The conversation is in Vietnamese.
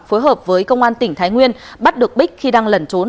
phối hợp với công an tỉnh thái nguyên bắt được bích khi đang lẩn trốn